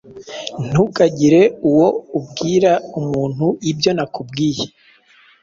Ntukagire uwo ubwira umuntu ibyo nakubwiye.